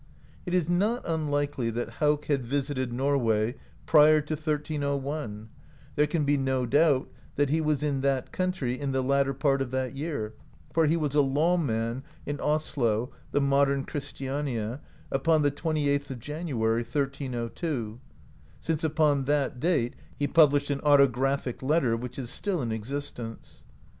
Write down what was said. It is not unlikely that Hauk had visited Norway prior to 1301; there can be no doubt that he was in that country in the latter part of that year, for he was a "lawman" in Oslo [the modem Christiania] upon the 28th of January, 1302, since upon that date he published an autographic letter, which is still in existence.